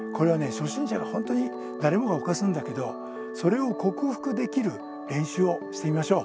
初心者が本当に誰もが犯すんだけどそれを克服できる練習をしてみましょう。